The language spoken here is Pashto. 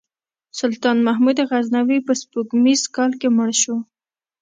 سلطان محمود غزنوي په سپوږمیز کال کې مړ شو.